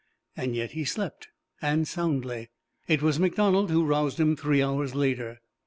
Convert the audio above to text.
Yet he slept, and soundly. It was MacDonald who roused him three hours later.